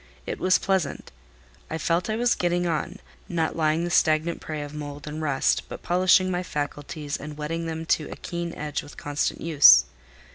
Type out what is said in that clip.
It was pleasant. I felt I was getting, on; not lying the stagnant prey of mould and rust, but polishing my faculties and whetting them to a keen edge with constant use.